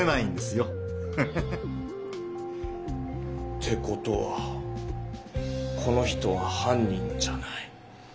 て事はこの人は犯人じゃない。